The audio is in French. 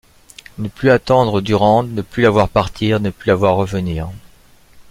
Ne plus attendre Durande, ne plus la voir partir, ne plus la voir revenir.